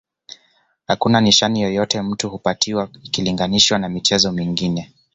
Hakuna nishani yoyote mtu hupatiwa ikilinganishwa na michezo mingine